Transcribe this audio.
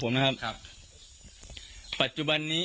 คนนี้สิค่านี้